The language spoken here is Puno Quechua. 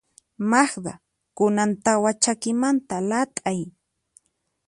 Magda, kunan tawa chakimanta lat'ay.